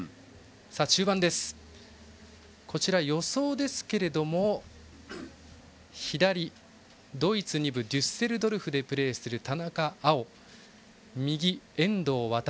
中盤は、予想ですが左にドイツ２部デュッセルドルフでプレーする田中碧右、遠藤航。